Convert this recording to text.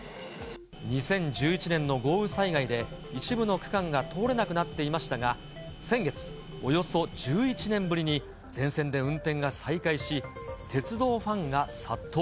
２０１１年の豪雨災害で、一部の区間が通れなくなっていましたが、先月、およそ１１年ぶりに全線で運転が再開し、鉄道ファンが殺到。